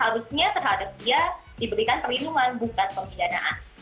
harusnya terhadap dia diberikan perlindungan bukan pemidanaan